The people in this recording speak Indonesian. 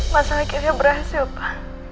masalah kirinya berhasil pa